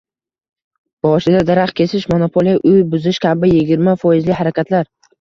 Boshida daraxt kesish, monopoliya, uy buzish kabi yigirma foizli harakatlar